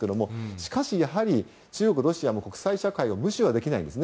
しかし中国、ロシアも国際社会を無視できないんですね。